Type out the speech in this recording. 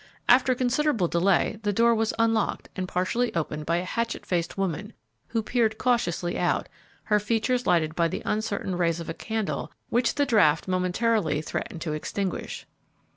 After considerable delay the door was unlocked and partially opened by a hatchet faced woman, who peered cautiously out, her features lighted by the uncertain rays of a candle which the draught momentarily threatened to extinguish.